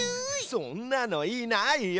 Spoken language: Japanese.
そんなのいないよ。